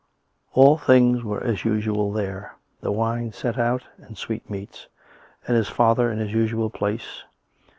All things were as usual there — the wine set out and the sweetmeats, and his father in his usual place.